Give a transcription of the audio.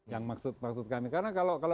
yang maksud maksud kami karena kalau